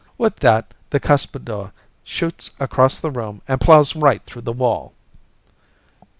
_" With that, the cuspidor shoots across the room and plows right through the wall.